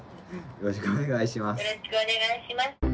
よろしくお願いします。